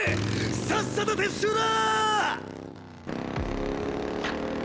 さっさと撤収だ！